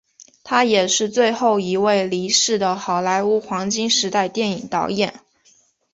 他也是最后一位离世的好莱坞黄金时代电影导演。